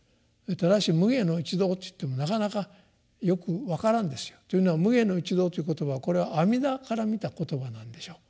ただし「無礙の一道」といってもなかなかよく分からんですよ。というのは「無礙の一道」という言葉はこれは阿弥陀から見た言葉なんでしょう。